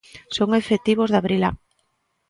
Son efectivos da Brilat.